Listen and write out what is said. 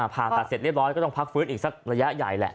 ผ่าตัดเสร็จเรียบร้อยก็ต้องพักฟื้นอีกสักระยะใหญ่แหละ